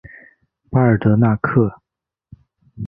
巴尔德纳克。